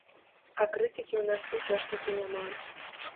А крытыкі ў нас усё ж такі няма.